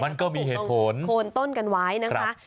มันก็มีเหตุผลโคนต้นกันไว้นะคะ